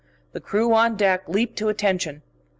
The crew on deck leaped to attention.